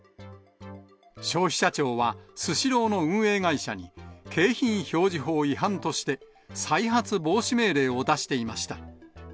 消費者庁は、スシローの運営会社に景品表示法違反として、再発防止命令を出していました。